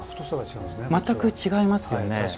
全く違いますよね。